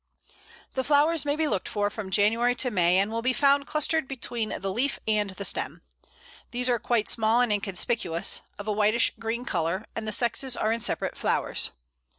The flowers may be looked for from January to May, and will be found clustered between the leaf and the stem. These are quite small and inconspicuous, of a whitish green colour, and the sexes are in separate flowers.